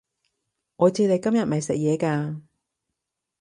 我知你今日未食嘢㗎